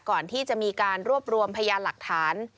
ก่อนที่จะมีการรวบรวมพยานหลักฐาน